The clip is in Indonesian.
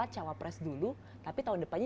cawapres dulu tapi tahun depannya